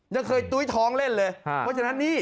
ยังเคยตุ้ยท้องเล่นเลยเพราะฉะนั้นนี่